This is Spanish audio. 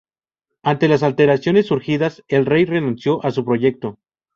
Ante las alteraciones surgidas, el rey renunció a su proyecto.